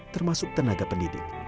termasuk tenaga pendidik